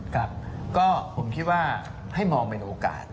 ครับก็ผมคิดว่าให้มองเป็นโอกาส